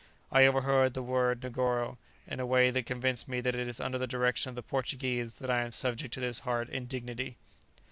I overheard the word Negoro, in a way that convinced me that it is under the direction of the Portuguese that I am subject to this hard indignity.